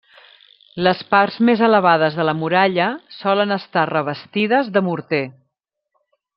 Les parts més elevades de la muralla solen estar revestides de morter.